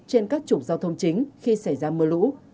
trên các trục giao thông chính khi xảy ra mưa lũ